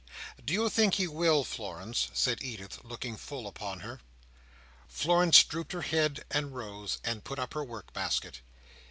"Do you think he will, Florence?" said Edith, looking full upon her. Florence drooped her head, and rose, and put up her work basket.